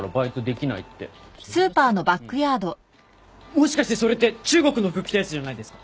もしかしてそれって中国の服着たやつじゃないですか？